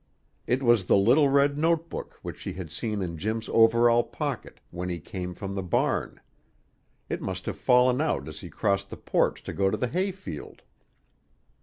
It was the little red note book which she had seen in Jim's overall pocket when he came from the barn; it must have fallen out as he crossed the porch to go to the hay field.